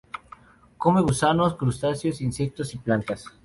Come gusanos, crustáceos, insectos y plantas.